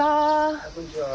あこんにちは。